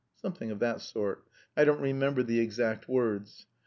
"_ Something of that sort, I don't remember the exact words.